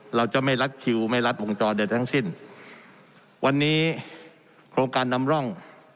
เราจะไม่รัดคิวไม่รัดวงจรใดทั้งสิ้นวันนี้โครงการนำร่อง